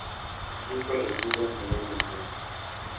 Cinco recintos rodean el templo.